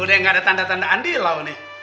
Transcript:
udah gak ada tanda tanda andi lau nih